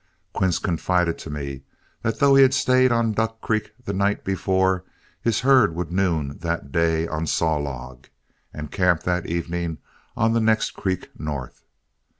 Quince confided to me that though he had stayed on Duck Creek the night before, his herd would noon that day on Saw Log, and camp that evening on the next creek north.